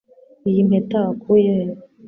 Iyi mpeta wakuye he?